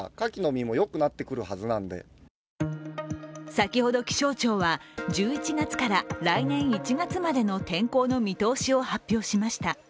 先ほど気象庁は１１月から来年１月までの天候の見通しを発表しました。